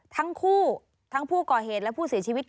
ทั้งคู่ทั้งผู้ก่อเหตุและผู้เสียชีวิต